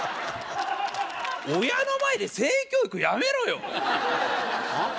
親の前で性教育やめろよ！